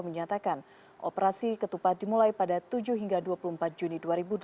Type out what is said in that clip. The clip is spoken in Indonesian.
menyatakan operasi ketupat dimulai pada tujuh hingga dua puluh empat juni dua ribu delapan belas